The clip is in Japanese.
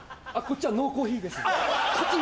こっちノーコーヒーです。